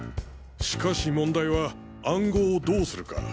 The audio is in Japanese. しかし問題は暗号をどうするか。